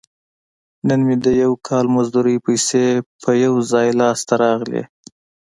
نن مې د یو کال مزدورۍ پیسې په یو ځای لاس ته راغلي.